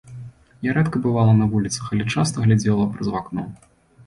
Я рэдка бывала на вуліцах, але часта глядзела праз акно.